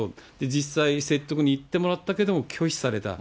実際、説得に行ってもらったけども拒否された。